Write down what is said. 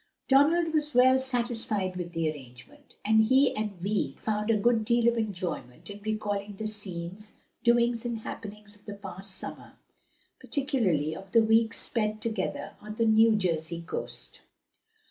Donald was well satisfied with the arrangement, and he and Vi found a good deal of enjoyment in recalling the scenes, doings, and happenings of the past summer; particularly of the weeks spent together on the New Jersey coast.